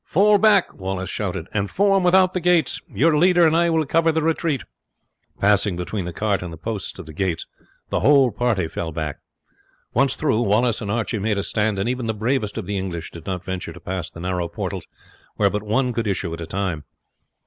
"Fall back!" Wallace shouted, "and form without the gates. Your leader and I will cover the retreat." Passing between the cart and the posts of the gates, the whole party fell back. Once through, Wallace and Archie made a stand, and even the bravest of the English did not venture to pass the narrow portals, where but one could issue at a time.